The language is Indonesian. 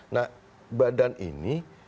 nah badan ini